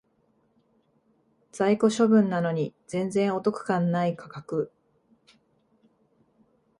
在庫処分なのに全然お得感ない価格